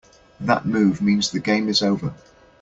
That move means the game is over.